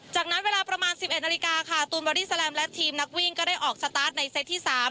จากนั้นเวลาประมาณ๑๑นาฬิกาค่ะตูนบอดี้แลมและทีมนักวิ่งก็ได้ออกสตาร์ทในเซตที่๓